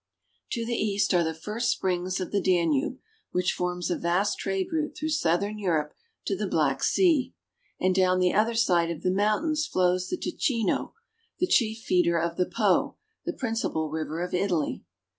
To the east are the first springs of the Danube, which forms a vast trade route through Southern Europe to the Black Sea ; and down the other side of the mountains flows the Ticino, the chief feeder of the Po, the principal river of Italy.